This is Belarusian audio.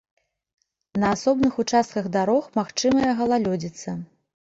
На асобных участках дарог магчымая галалёдзіца.